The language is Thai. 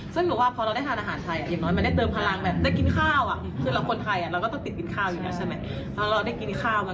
ซึ่งหรือว่าพอได้อาหารไทยต้องได้เติมพลังคือได้กินข้าว